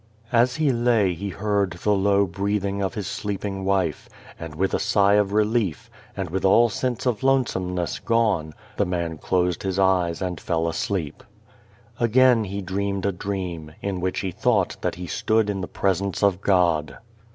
As he lay he heard the low breathing of his sleeping wife, and with a sigh of relief, and with all sense of lonesomeness gone, the man closed his eyes and fell asleep. Again he dreamed a dream in which he thought that he stood in the presence of God.